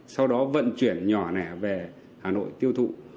sau đó vận chuyển nhỏ lẻ về hà nội tiêu thụ